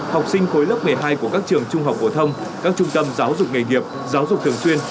học sinh khối lớp một mươi hai của các trường trung học phổ thông các trung tâm giáo dục nghề nghiệp giáo dục thường xuyên